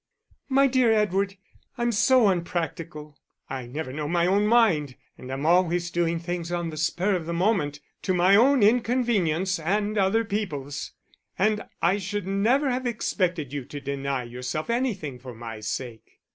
"My dear Edward, I'm so unpractical, I never know my own mind, and I'm always doing things on the spur of the moment, to my own inconvenience and other people's. And I should never have expected you to deny yourself anything for my sake."